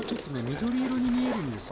緑色に見えるんですよ。